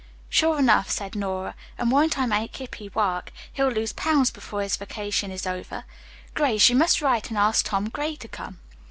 "Sure enough," said Nora, "and won't I make Hippy work. He'll lose pounds before his vacation is over. Grace, you must write and ask Tom Gray to come."